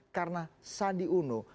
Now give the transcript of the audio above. karena sandi unuh